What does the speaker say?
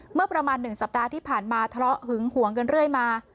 เมื่อประมาณ๑สัปดาห์ที่ผ่านมาทะเลาะหึงหวงกันเรื่อยมา